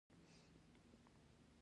دا کیسه له همدې برج سره تړاو لري.